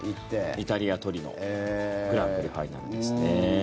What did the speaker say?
イタリア・トリノグランプリファイナルですね。